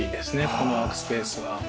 このワークスペースは。